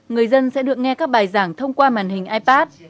người dân sẽ được nghe các bài giảng thông qua màn hình ipad